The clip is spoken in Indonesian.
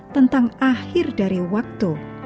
tentang akhir dari waktu